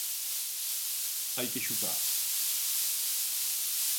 Hai que xutar.